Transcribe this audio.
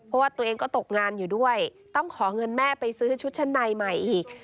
เพราะว่าตัวเองก็ตกงานอยู่ด้วยต้องขอเงินแม่ไปซื้อชุดชั้นในใหม่อีก